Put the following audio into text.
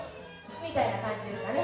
みたいな感じですかね。